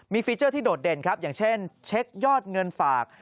มีฟีเจอร์ที่โดดเด่นครับอย่างเช่นเช็คยอดเงินฝาก